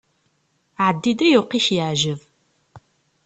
Ɛeddi-d ayweq i ak-iɛǧeb.